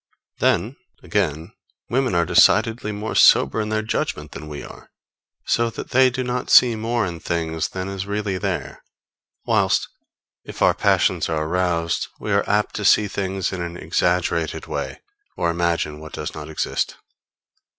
Then, again, women are decidedly more sober in their judgment than we are, so that they do not see more in things than is really there; whilst, if our passions are aroused, we are apt to see things in an exaggerated way, or imagine what does not exist.